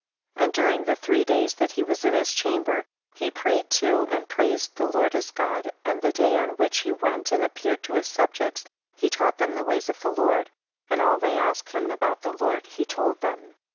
19. And during the three days that he was in his cliamber, he prayed to, and praised the Lord his God, and the day on which he went and appeared to his subjects he taught them the ways of the Lord, and all they asked him about the Jjord he told them.